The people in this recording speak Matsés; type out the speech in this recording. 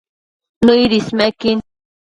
Nëid ismequin